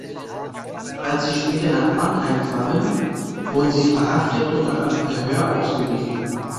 Als sie später nach Mannheim kamen, wurden sie verhaftet und nach einem Verhör ausgewiesen.